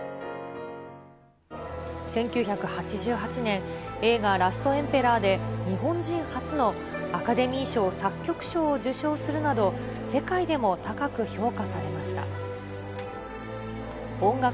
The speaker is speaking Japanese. １９８８年、映画、ラストエンペラーで、日本人初のアカデミー賞作曲賞を受賞するなど、世界でも高く評価されました。